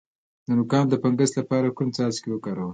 د نوکانو د فنګس لپاره کوم څاڅکي وکاروم؟